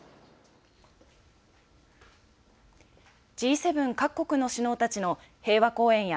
Ｇ７各国の首脳たちの平和公園や